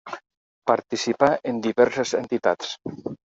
Participà en diverses entitats.